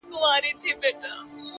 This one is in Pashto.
هره تجربه د شخصیت رنګ ژوروي!